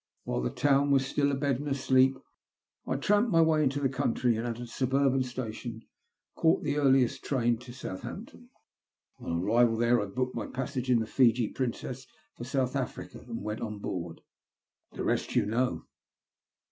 While the town was still abed and asleep I tramped away into the country, and at a suburban station caught the earliest train to Southampton. On arrival there I booked my passage in the Fiji Princess for South Africa, and went on board. The rest you know.